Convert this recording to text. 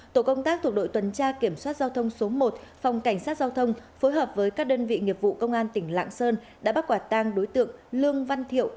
tổ công tác thuộc đội tuần tra kiểm soát giao thông số một phòng cảnh sát giao thông phối hợp với các đơn vị nghiệp vụ công an tỉnh lạng sơn đã bắt quả tang đối tượng lương văn thiệu